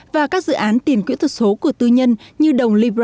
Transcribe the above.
và các dự án tiền kỹ thuật số của tư nhân như đồng libra